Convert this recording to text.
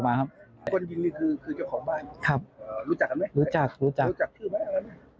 ครับรู้จักบ้านมั้ย